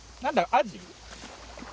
アジ？